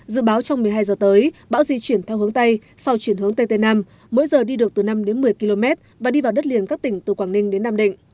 dự báo trong một mươi hai giờ tới bão di chuyển theo hướng tây sau chuyển hướng tây tây nam mỗi giờ đi được từ năm đến một mươi km và đi vào đất liền các tỉnh từ quảng ninh đến nam định